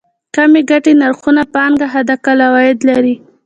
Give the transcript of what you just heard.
کمې ګټې نرخونو پانګه حداقل عواید لري.